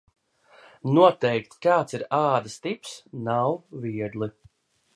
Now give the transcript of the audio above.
Noteikt, kāds ir ādas tips, nav viegli.